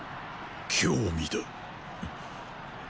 “興味”だ。